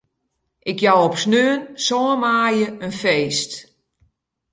Ik jou op saterdei sân maaie in feest.